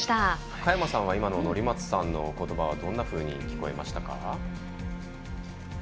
佳山さんは今の乗松さんのことばは、どんなふうに聞こえましたか？